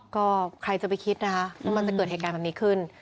ก็ใครจะไปคิดนะคะว่ามันจะเกิดเหตุการณ์แบบนี้ขึ้น